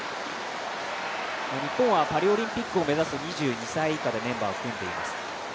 日本はパリオリンピックを目指す２２歳以下でメンバーを組んでいます。